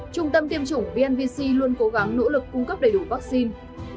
trung tâm tiêm chủng vnvc luôn cố gắng nỗ lực cung cấp đầy đủ vaccine